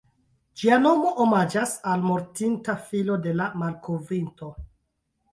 Ĝia nomo omaĝas al mortinta filo de la malkovrinto.